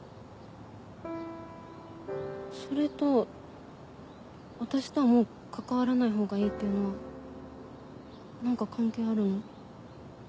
それと私とはもう関わらないほうがいいっていうのは何か関係あるの？